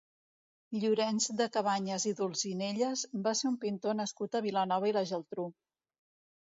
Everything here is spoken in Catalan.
Llorenç de Cabanyes i d'Olzinelles va ser un pintor nascut a Vilanova i la Geltrú.